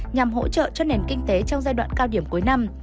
nhằm hỗ trợ cho nền kinh tế trong giai đoạn cao điểm cuối năm